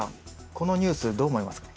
このニュースどう思いますか？